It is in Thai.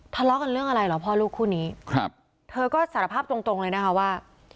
ทะเลาะกันเรื่องอะไรเหรอพ่อลูกคู่นี้ครับเธอก็สารภาพตรงตรงเลยนะคะว่า